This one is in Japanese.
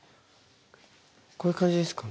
こういう感じですか？